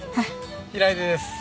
平出です。